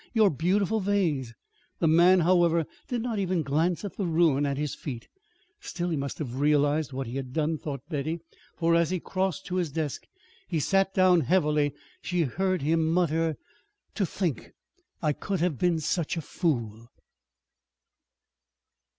"Your beautiful vase!" The man, however, did not even glance at the ruin at his feet. Still, he must have realized what he had done, thought Betty, for, as he crossed to his desk and sat down heavily, she heard him mutter: "To think I could have been such a fool!"